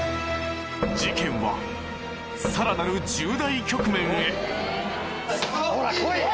事件はさらなる重大局面へほら来い！